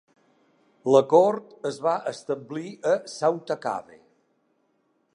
La cort es va establir a Sauta Cave.